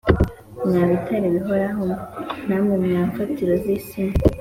Mwa bitare bihoraho mwe namwe mwa mfatiro z’isi mwe